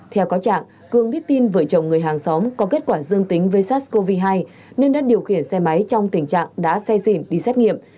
theo cáo trạng cường biết tin vợ chồng người hàng xóm có kết quả dương tính với sars cov hai nên đã điều khiển xe máy trong tình trạng đã xe dìn đi xét nghiệm